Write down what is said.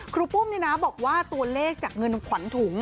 รูปุ้มนี่นะบอกว่าตัวเลขจากเงินขวัญถุง